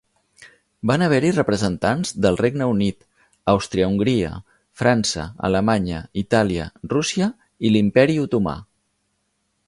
Van haver-hi representants del Regne Unit, Àustria-Hongria, França, Alemanya, Itàlia, Rússia i l'imperi Otomà.